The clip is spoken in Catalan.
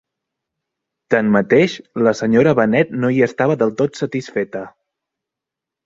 Tanmateix, la senyora Bennet no hi estava del tot satisfeta.